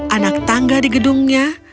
anak tangga di gedungnya